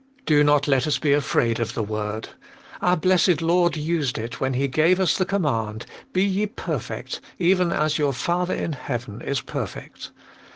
Do not let us be afraid of the word. Our Blessed Lord used it when He gave us the command, ' Be ye perfect, even as your Father HOLINESS AND CLEANSING. 215 in heaven is perfect.'